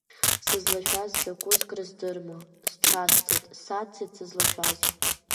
Сызлашәаз закәыз крыздырма, сҽасҭеит, саццеит сызлашәаз.